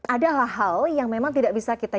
adalah hal yang memang tidak bisa kita